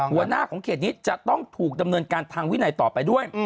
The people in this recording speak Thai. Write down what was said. หัวหน้าของเขตนี้จะต้องถูกดำเนินการทางวินัยต่อไปด้วย